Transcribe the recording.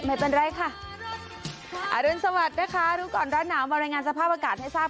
ไม่เป็นไรค่ะอรุณสวัสดิ์นะคะรู้ก่อนร้อนหนาวมารายงานสภาพอากาศให้ทราบ